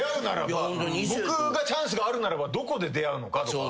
僕がチャンスがあるならばどこで出会うのかとか。